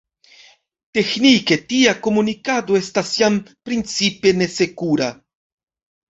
Teĥnike tia komunikado estas jam principe nesekura.